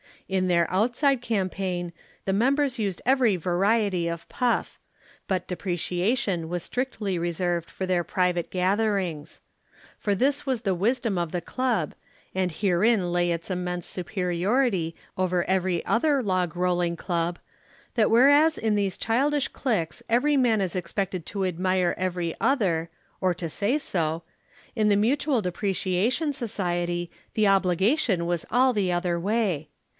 In their outside campaign, the members used every variety of puff, but depreciation was strictly reserved for their private gatherings. For this was the wisdom of the Club, and herein lay its immense superiority over every other log rolling club, that whereas in those childish cliques every man is expected to admire every other, or to say so, in the Mutual Depreciation Society the obligation was all the other way.